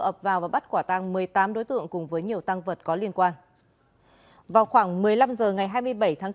ập vào và bắt quả tăng một mươi tám đối tượng cùng với nhiều tăng vật có liên quan vào khoảng một mươi năm h ngày hai mươi bảy tháng bốn